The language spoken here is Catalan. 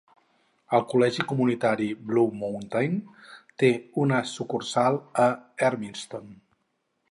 El col·legi comunitari Blue Mountain té una sucursal a Hermiston.